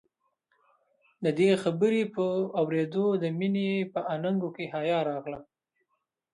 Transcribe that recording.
د دې خبرې په اورېدو د مينې په اننګو کې حيا راغله.